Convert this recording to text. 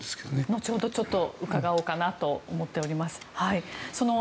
後ほど伺おうかなと思っております。